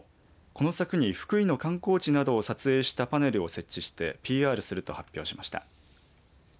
この柵に福井の観光地などを撮影したパネルを設置してＰＲすると発表しました。